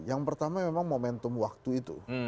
yang pertama memang momentum waktu itu